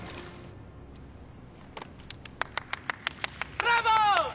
ブラボー！